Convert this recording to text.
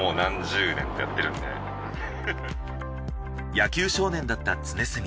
野球少年だった常住。